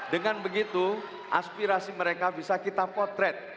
dengan begitu aspirasi mereka bisa kita potret